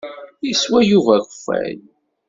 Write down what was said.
Yeswa Yuba akeffay.